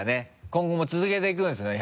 今後も続けていくんですよね